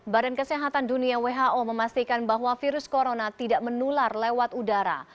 badan kesehatan dunia who memastikan bahwa virus corona tidak menular lewat udara